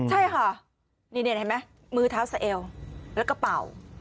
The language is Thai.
ใช่ค่ะนี่เห็นไหมมือเท้าสะเอวและกระเป๋า